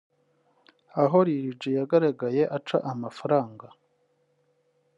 aho Lil G yagaragaye aca amafaranga